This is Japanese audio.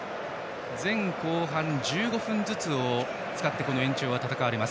前後半１５分ずつを使ってこの延長は戦われます。